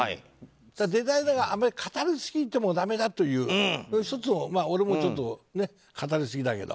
デザイナーがあまり語りすぎてもだめだという俺もちょっと語りすぎだけど。